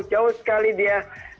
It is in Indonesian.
jauh sekali dia